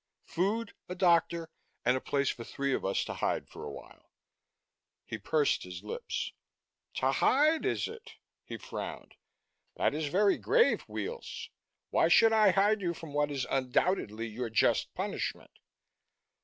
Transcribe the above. "Food, a doctor, and a place for three of us to hide for a while." He pursed his lips. "To hide, is it?" He frowned. "That is very grave, Weels. Why should I hide you from what is undoubtedly your just punishment?"